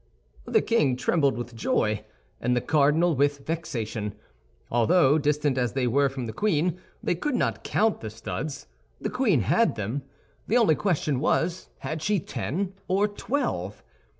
The king trembled with joy and the cardinal with vexation; although, distant as they were from the queen, they could not count the studs. The queen had them. The only question was, had she ten or twelve?